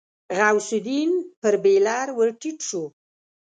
غوث الدين پر بېلر ور ټيټ شو.